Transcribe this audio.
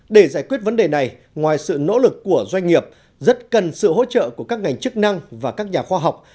để giải quyết vấn đề này ngoài sự nỗ lực của doanh nghiệp rất cần sự hỗ trợ của các ngành chức năng và các nhà khoa học